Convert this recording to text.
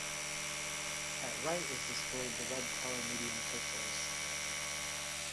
At right is displayed the web color medium turquoise.